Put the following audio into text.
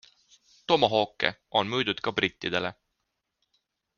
Tomahawke on müüdud ka brittidele.